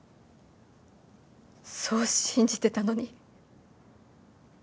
そう信じてたのに。